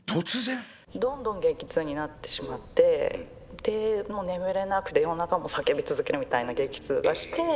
どんどん激痛になってしまってでもう眠れなくて夜中も叫び続けるみたいな激痛がして。